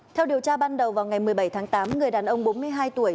theo điều tra ban đầu vào ngày một mươi bảy tháng tám người đàn ông bốn mươi hai tuổi